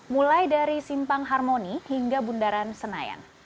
mulai dari simpang harmoni hingga bundaran senayan